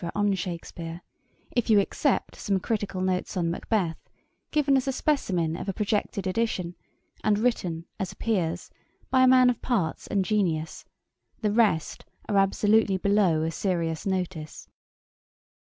on Shakspeare, if you except some critical notes on Macbeth, given as a specimen of a projected edition, and written, as appears, by a man of parts and genius, the rest are absolutely below a serious notice.'